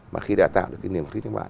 mà khi đã tạo được cái niềm khích của các bạn